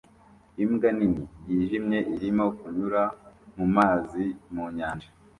Imbwa nini yijimye irimo kunyura mumazi mu nyanja